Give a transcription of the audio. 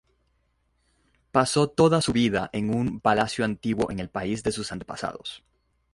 Pasó toda su vida en un palacio antiguo en el país de sus antepasados.